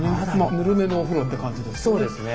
ぬるめのお風呂って感じですね。